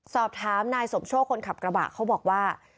สอบถามนายสมโชคคนขับกระบะเขาบอกว่า